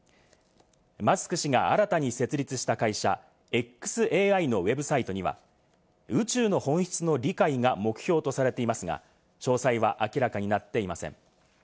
マスク氏が新たに設立した会社「ｘＡＩ」のウェブサイトには、宇宙の本質の理解が目標とされていますが、詳細は明らかになっていません。